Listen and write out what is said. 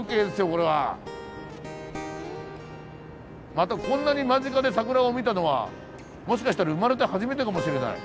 またこんなに間近で桜を見たのはもしかしたら生まれて初めてかもしれない。